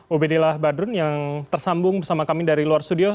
obedillah badrun yang tersambung bersama kami dari luar studio